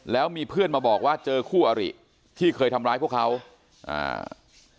แล้วมีเพื่อนมาบอกว่าเจอคู่อริที่เคยทำร้ายพวกเขาอ่า